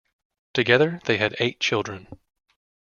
Together they had eight children.